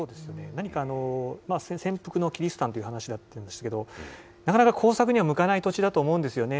何か潜伏のキリシタンという話だったんですけれども、なかなか耕作には向かない土地だと思うんですよね。